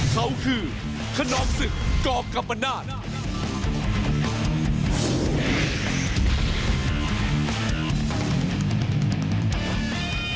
เขาคือคนน้องสึกกรกับประนาจ